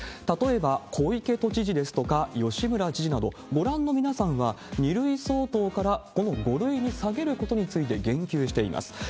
例えば、小池都知事ですとか吉村知事など、ご覧の皆さんは、２類相当からこの５類に下げることについて言及しています。